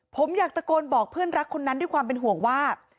ผมอยากตะโกนบอกเพื่อนรักคนนั้นด้วยความเป็นห่วงว่า